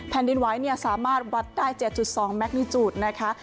แผ่นดินไหวสามารถวัดได้๗๒แมคนิจูตรนะคะ